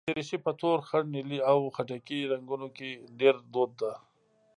دریشي په تور، خړ، نیلي او خټکي رنګونو کې ډېره دود ده.